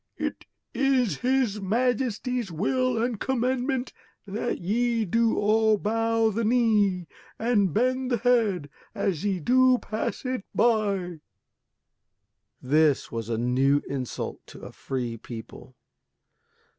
It is his Majesty's will and commandment that ye do all bow the knee and bend the head as ye do pass it by." This was a new insult to a free people.